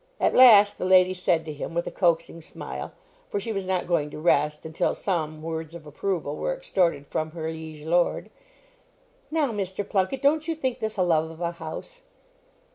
At last the lady said to him, with a coaxing smile, for she was not going to rest until some words of approval were extorted from her liege lord "Now, Mr. Plunket, don't you think this a love of a house?"